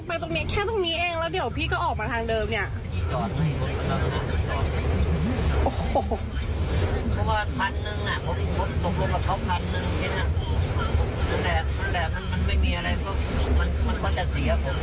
พี่ต้องเห็นใจดูหนูเรียกขึ้นมาแล้วพี่ไม่ไปเนี่ย